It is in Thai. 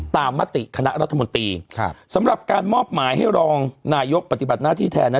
มติคณะรัฐมนตรีสำหรับการมอบหมายให้รองนายกปฏิบัติหน้าที่แทนนะ